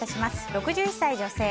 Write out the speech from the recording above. ６１歳女性。